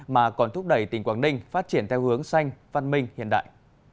mà còn thúc đẩy tỉnh quảng ninh phát triển theo hướng xanh văn minh hiện đại